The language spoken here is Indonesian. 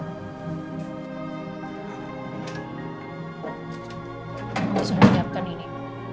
kamu sudah siapkan ini